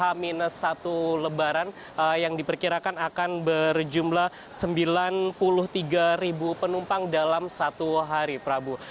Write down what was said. h satu lebaran yang diperkirakan akan berjumlah sembilan puluh tiga penumpang dalam satu hari prabu